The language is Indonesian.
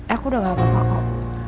aku udah gak apa apa kok